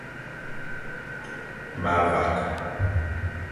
Ma vak.